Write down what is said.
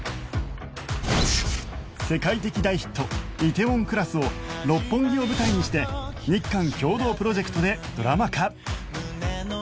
世界的大ヒット『梨泰院クラス』を六本木を舞台にして日韓共同プロジェクトでドラマ化